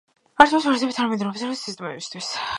არსებობს ვერსიები თანამედროვე ოპერაციული სისტემებისათვის.